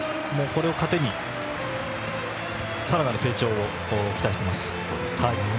これを糧にしてさらなる成長を期待しています。